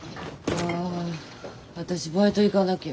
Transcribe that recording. あ私バイト行かなきゃ。